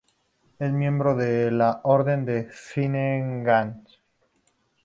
Es miembro de la Orden del Finnegans.